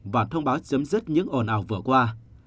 và thông báo chấm dứt những ồn ào vừa qua